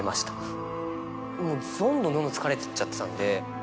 どんどんどんどん疲れてっちゃってたんで。